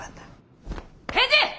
返事！